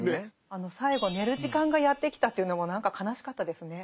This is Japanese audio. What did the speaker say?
あの最後寝る時間がやって来たというのも何か悲しかったですね。